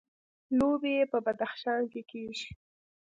لوبیې په بدخشان کې کیږي